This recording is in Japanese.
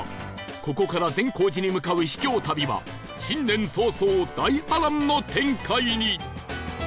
ここから善光寺に向かう秘境旅は新年早々大波乱の展開に！